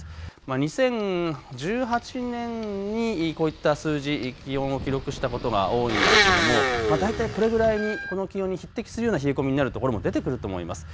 ２０１８年にこういった数字、気温を記録したことが多いんですけども大体これぐらいにこの気温に匹敵するような冷え込みになる所も出てくると思います。